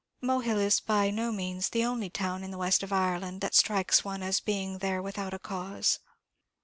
Mohill is by no means the only town in the west of Ireland, that strikes one as being there without a cause.